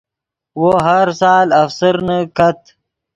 وو ہر سال افسرنے کت